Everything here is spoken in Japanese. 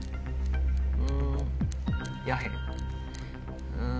ん「やへん」